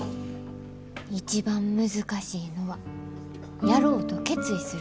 「一番難しいのはやろうと決意すること。